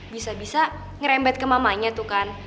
bisa bisa ngerembet ke mamanya tuh kan